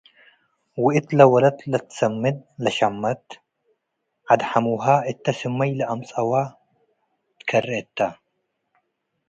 ወእት ለወለት ለትሰምድ ለሸመት፡ ዐድ ሐሙሀ እተ ስመይ ለአምጽአወ ትከሬ እተ ።